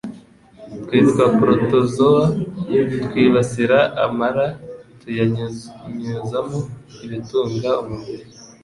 twitwa protozoa twibasira amara tuyanyunyuzamo ibitunga umubiri.